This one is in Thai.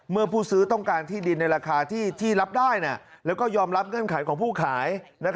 เมื่อผู้ซื้อต้องการที่ดินในราคาที่รับได้แล้วก็ยอมรับเงื่อนไขของผู้ขาย